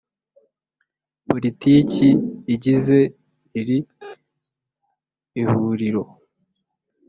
Politiki igize iri Ihuriro